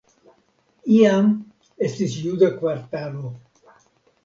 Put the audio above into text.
Iam estis juda kvartalo.